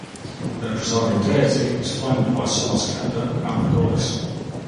The presiding deity is flanked by Somaskanda and the Goddess.